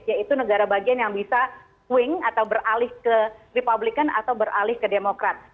yaitu negara bagian yang bisa swing atau beralih ke republican atau beralih ke demokrat